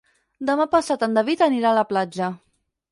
Demà passat en David anirà a la platja.